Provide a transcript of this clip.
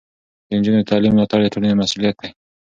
د نجونو د تعلیم ملاتړ د ټولنې مسؤلیت دی.